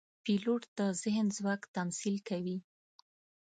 پیلوټ د ذهن ځواک تمثیل کوي.